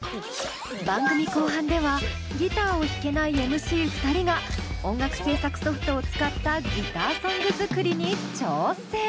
番組後半ではギターを弾けないＭＣ２人が音楽制作ソフトを使ったギターソング作りに挑戦！